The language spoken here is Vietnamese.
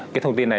cái thông tin này